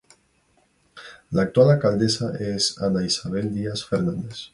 La actual alcaldesa es Ana Isabel Díaz Fernández.